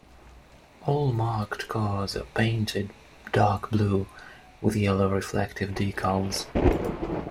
All marked cars are painted dark blue with yellow reflective decals.